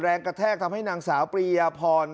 กระแทกทำให้นางสาวปริยพร